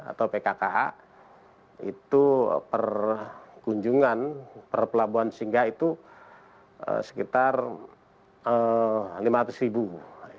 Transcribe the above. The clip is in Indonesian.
atau pkkh itu per kunjungan per pelabuhan singgah itu sekitar lima ratus ribu